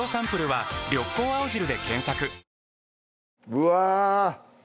うわ